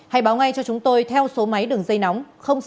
hãy báo ngay cho chúng tôi theo số máy đường dây nóng